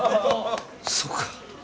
そうか。